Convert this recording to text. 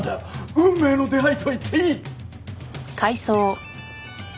運命の出会いと言っていい！